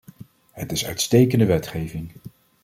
Het is uitstekende wetgeving.